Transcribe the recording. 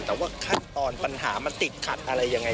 แต่ว่าขั้นตอนปัญหามันติดขัดอะไรยังไง